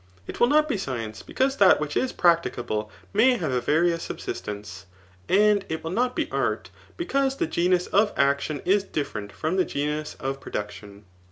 It will not be science, because that which is practicable may have a various subsistence ; and it will not be art, be cause the genus of action is different from the genus of production.